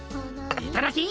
いただき！